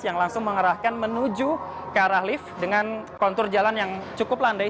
yang langsung mengerahkan menuju ke arah lift dengan kontur jalan yang cukup landai